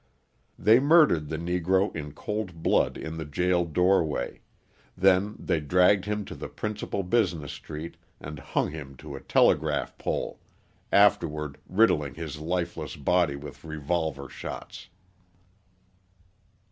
They murdered the Negro in cold blood in the jail doorway; then they dragged him to the principal business street and hung him to a telegraph pole, afterward riddling his lifeless body with revolver shots.